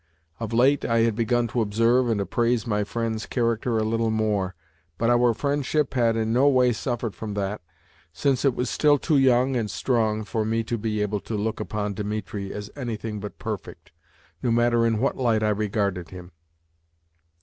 Of late I had begun to observe and appraise my friend's character a little more, but our friendship had in no way suffered from that, since it was still too young and strong for me to be able to look upon Dimitri as anything but perfect, no matter in what light I regarded him.